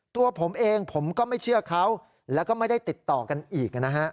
ตัวผมเองผมก็ไม่เชื่อเขาแล้วก็ไม่ได้ติดต่อกันอีกนะฮะ